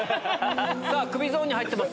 さあ、クビゾーンに入っています